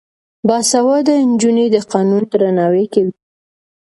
باسواده نجونې د قانون درناوی کوي.